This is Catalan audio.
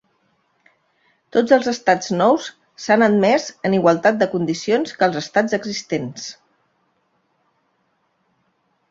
Tots els estats nous s'han admès en igualtat de condicions que els estats existents.